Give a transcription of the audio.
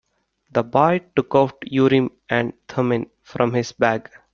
The boy took out Urim and Thummim from his bag.